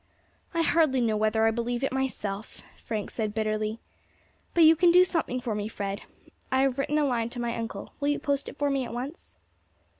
"I hardly know whether I believe it myself," Frank said bitterly. "But you can do something for me, Fred; I have written a line to my uncle, will you post it for me at once?"